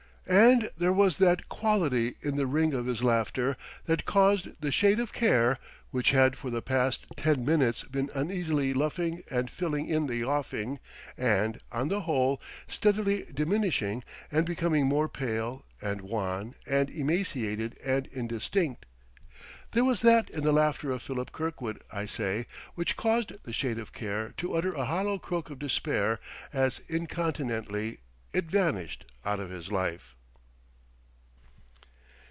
And there was that quality in the ring of his laughter that caused the Shade of Care, which had for the past ten minutes been uneasily luffing and filling in the offing and, on the whole, steadily diminishing and becoming more pale and wan and emaciated and indistinct there was that in the laughter of Philip Kirkwood, I say, which caused the Shade of Care to utter a hollow croak of despair as, incontinently, it vanished out of his life.